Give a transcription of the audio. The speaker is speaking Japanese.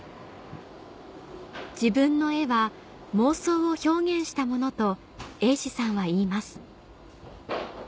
「自分の絵は妄想を表現したもの」と瑛士さんは言います